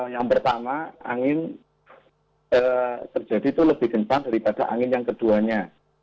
yang pertama angin terjadi itu lebih kencang daripada angin yang keduanya